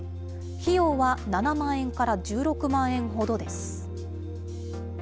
費用は７万円から１６万円ほどです。